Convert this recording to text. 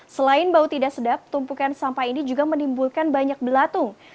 selain bau tidak sedap tumpukan sampah ini juga menimbulkan banyak belatung